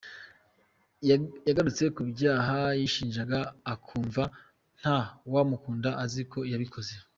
Yagarutse ku byaha yishinjaga akumva nta wamukunda azi ko yabikoze.